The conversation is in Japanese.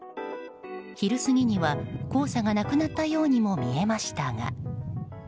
昼過ぎには、黄砂がなくなったようにも見えましたが。